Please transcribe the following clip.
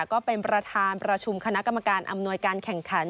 ก็เป็นประธานประชุมคณะกรรมการอำนวยการแข่งขัน